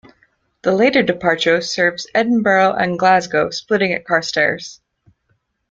The later departure serves Edinburgh and Glasgow splitting at Carstairs.